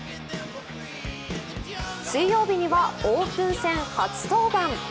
水曜日にはオープン戦初登板。